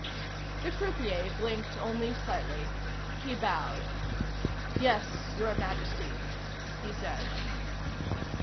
The croupier blinked only slightly. He bowed. "Yes, Your Majesty," he said.